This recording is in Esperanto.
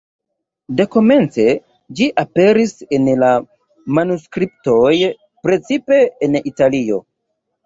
Dekomence ĝi aperis en manuskriptoj, precipe en Italio.